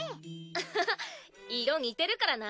アッハハ色似てるからな。